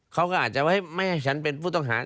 เขาก็อาจจะว่าไม่ให้ฉันเป็นผู้ต้องหา